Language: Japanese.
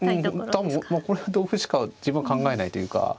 多分これは同歩しか自分は考えないというか。